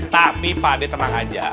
tapi pade tenang aja